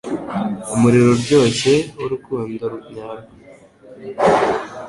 Umuriro uryoshye w'urukundo nyarwo